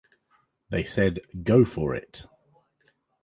They said, Go for it!